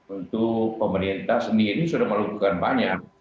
untuk pemerintah sendiri sudah melakukan banyak